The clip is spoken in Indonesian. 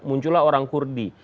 muncullah orang kurdi